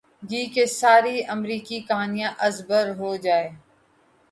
گی کہ ساری امریکی کہانی از بر ہو جائے۔